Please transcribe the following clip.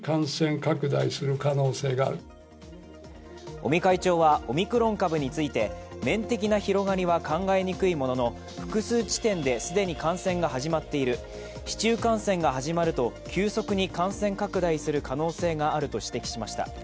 尾身会長はオミクロン株について、面的な広がりは考えにくいものの、複数地点で既に感染が始まっている、市中感染が始まると急速に感染拡大する可能性があると指摘しました。